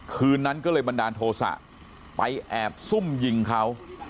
คืนนั้นก็เลยบันดาลโทษะไปแอบซุ่มยิงเขา